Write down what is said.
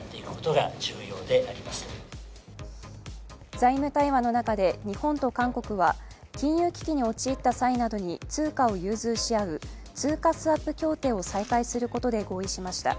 財務対話の中で日本と韓国は金融危機に陥った際などに通貨を融通し合う通貨スワップ協定を再開することで合意しました。